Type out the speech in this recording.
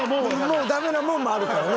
ダメなものもあるからね